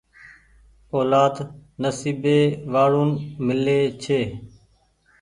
اولآد نسيبي وآڙون ميلي ڇي۔